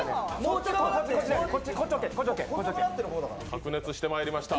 白熱してまいりました